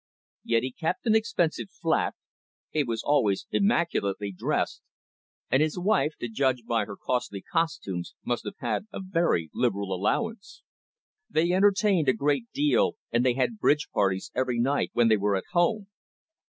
Yet he kept an expensive flat, he was always immaculately dressed, and his wife, to judge by her costly costumes, must have had a very liberal allowance. They entertained a great deal, and they had bridge parties every night when they were at home.